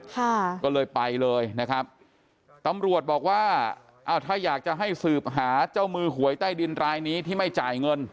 ค่ะก็เลยไปเลยนะครับตำรวจบอกว่าอ้าวถ้าอยากจะให้สืบหาเจ้ามือหวยใต้ดินรายนี้ที่ไม่จ่ายเงิน